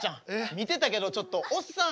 見てたけどちょっとおっさん